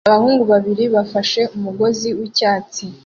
Abahungu babiri bafashe umugozi wicyatsi